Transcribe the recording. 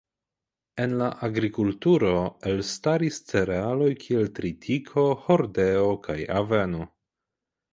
En la agrikulturo elstaris cerealoj kiel tritiko, hordeo kaj aveno.